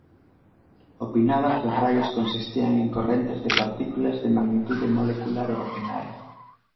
Opinaba que os raios consistían en correntes de partículas de magnitude molecular ordinaria.